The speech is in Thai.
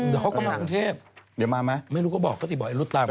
เดี๋ยวเขากำลังเทพ